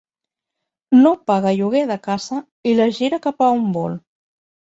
No paga lloguer de casa i la gira cap a on vol.